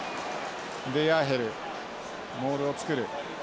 デヤーヘルモールを作る。